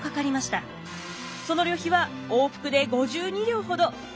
その旅費は往復で５２両ほど。